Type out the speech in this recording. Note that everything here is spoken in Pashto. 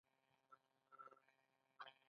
باور ستاسې له ليدلوري سره تړاو لري.